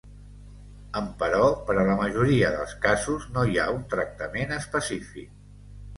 Emperò, per a la majoria dels casos no hi ha un tractament específic.